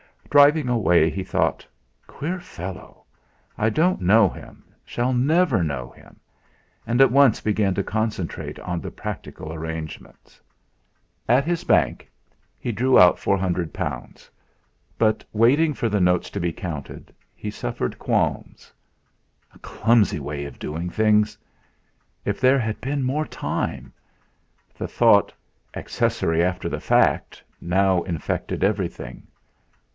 Driving away, he thought: 'Queer fellow! I don't know him, shall never know him!' and at once began to concentrate on the practical arrangements. At his bank he drew out L400; but waiting for the notes to be counted he suffered qualms. A clumsy way of doing things! If there had been more time! The thought: 'Accessory after the fact!' now infected everything.